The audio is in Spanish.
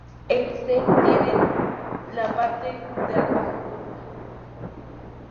Además, las otras "Ls" tienen la parte de abajo curva.